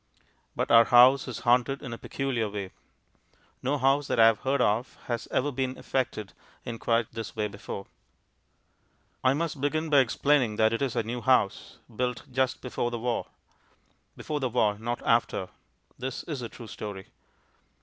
But our house is haunted in a peculiar way. No house that I have heard of has ever been affected in quite this way before. I must begin by explaining that it is a new house, built just before the war. (Before the war, not after; this is a true story.)